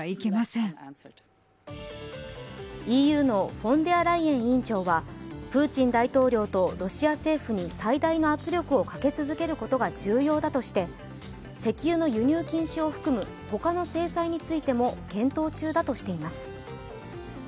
ＥＵのフォンデアライエン委員長はプーチン大統領とロシア政府に最大の圧力をかけ続けることが重要だとして石油の輸入禁止を含む他の制裁についても検討中だとしています。